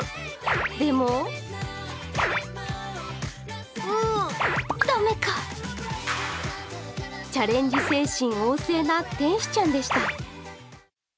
でもチャレンジ精神旺盛な天使ちゃんでした。